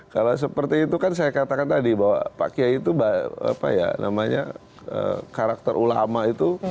kalau seperti itu kan saya katakan tadi bahwa pak kiai itu apa ya namanya karakter ulama itu